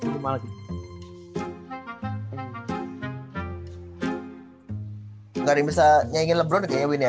gak ada yang bisa nyanyiin lebron kayaknya ya win ya